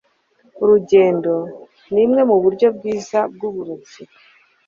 Urugendo nimwe muburyo bwiza bwuburezi.